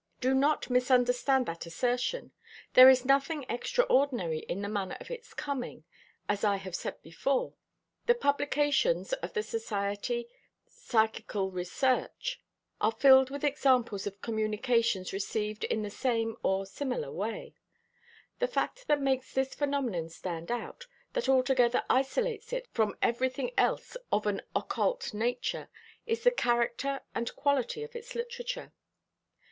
Do not misunderstand that assertion. There is nothing extraordinary in the manner of its coming, as I have said before. The publications of the Society for Psychical Research are filled with examples of communications received in the same or a similar way. The fact that makes this phenomenon stand out, that altogether isolates it from everything else of an occult nature, is the character and quality of its literature.